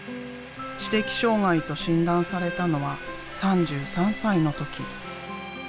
知的障害と診断されたのは３３歳の時。